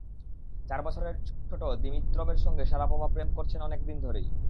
চার বছরের ছোট দিমিত্রভের সঙ্গে শারাপোভা প্রেম করছেন অনেক দিন ধরেই।